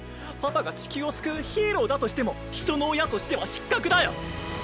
パパが地球を救うヒーローだとしても人の親としては失格だよ！